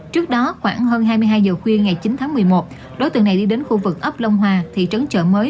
trước đó khoảng hơn hai mươi hai giờ khuya ngày chín tháng một mươi một đối tượng này đi đến khu vực ấp long hòa thị trấn chợ mới